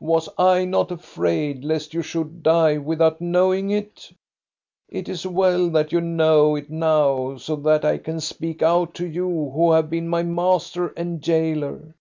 "Was I not afraid lest you should die without knowing it ? It is well that you know it now, so that I can speak out to you who have been my master and jailer.